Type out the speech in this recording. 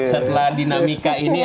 setelah dinamika ini